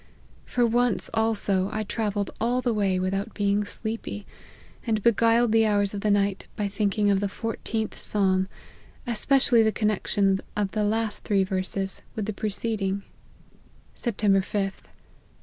For once, also, I travelled all the way without being sleepy * and beguiled the hours of the night by thinking of the 14th Psalm, especially the connection of the last three verses with the preceding* LIFE OF HENRY MARTYN. 179 Sept. 5th.